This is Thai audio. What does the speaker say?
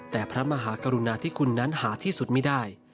แต่พระมหากรุณาที่คุณนั้นหาที่สุดไม่ได้